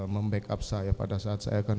membackup saya pada saat saya akan